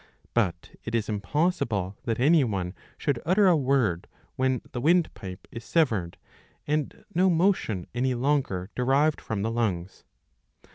But it is impossible that any one should utter a word when the windpipe is severed and no motion any longer derived from the lungs.